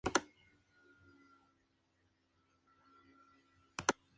En marzo siguiente fue ascendido a Vicealmirante.